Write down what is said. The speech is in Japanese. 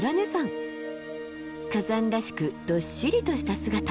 火山らしくどっしりとした姿！